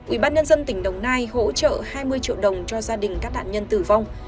ubnd tỉnh đồng nai hỗ trợ hai mươi triệu đồng cho gia đình các nạn nhân tử vong